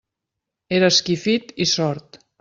Era esquifit i sord.